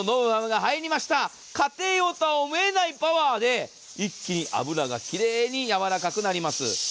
家庭用とは思えないパワーで一気に油がきれいにやわらかくなります。